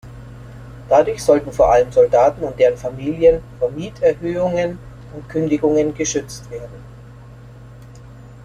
Dadurch sollten vor allem Soldaten und deren Familien vor Mieterhöhungen und Kündigungen geschützt werden.